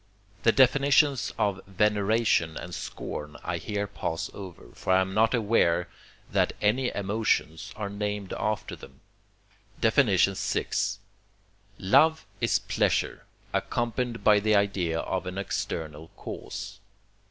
The definitions of veneration and scorn I here pass over, for I am not aware that any emotions are named after them. VI. Love is pleasure, accompanied by the idea of an external cause.